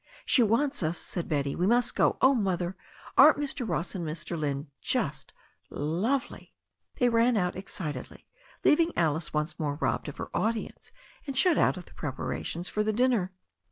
"She wants us," said Betty. "We must go. Oh, Mother, aren't Mr. Ross and Mr. Lynne just lovely t*' They ran out excitedly, leaving Alice once more robbed of her audience and shut out of the preparations for the dinner.